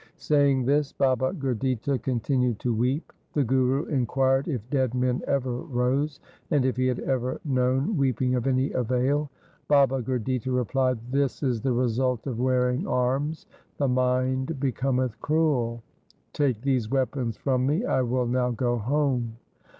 Saying this Baba Gurditta con tinued to weep. The Guru inquired if dead men ever rose, and if he had ever known weeping of any avail. Baba Gurditta replied, ' This is the res\ilt of wearing arms. The mind becometh cruel. Take these weapons from me. I will now go home.'